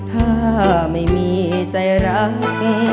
ถ้าไม่มีใจรัก